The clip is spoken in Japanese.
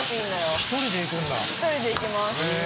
一人で行きます。